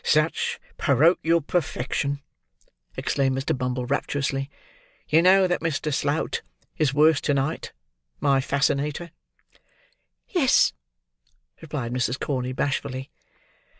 "Such porochial perfection!" exclaimed Mr. Bumble, rapturously. "You know that Mr. Slout is worse to night, my fascinator?" "Yes," replied Mrs. Corney, bashfully.